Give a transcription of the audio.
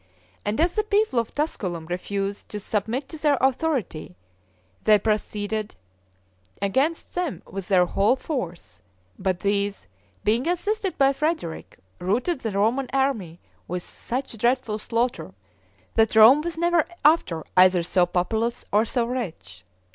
And as the people of Tusculum refused to submit to their authority, they proceeded against them with their whole force; but these, being assisted by Frederick, routed the Roman army with such dreadful slaughter, that Rome was never after either so populous or so rich.